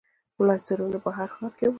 بالاحصارونه په هر ښار کې وو